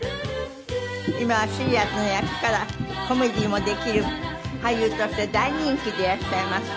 今はシリアスな役からコメディーもできる俳優として大人気でいらっしゃいます。